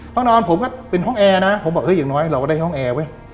ห้องนอนผมก็เป็นห้องแอร์นะผมบอกเฮ้ยอย่างน้อยเราก็ได้ห้องแอร์เว้ย